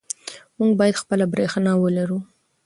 موږ باید خپله برښنا ولرو.